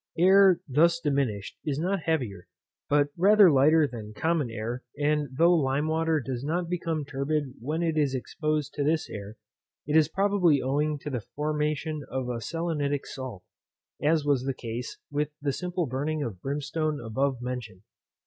Air thus diminished is not heavier, but rather lighter than common air; and though lime water does not become turbid when it is exposed to this air, it is probably owing to the formation of a selenitic salt, as was the case with the simple burning of brimstone above mentioned.